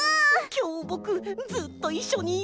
きょうぼくずっといっしょにいる！